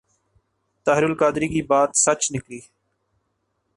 طاہر القادری کی بات سچ نکلی ۔